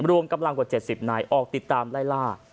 รวมกำลังกว่า๗๐นายออกติดตามไล่ล่า